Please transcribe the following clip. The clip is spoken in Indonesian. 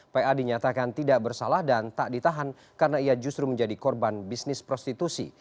pa dinyatakan tidak bersalah dan tak ditahan karena ia justru menjadi korban bisnis prostitusi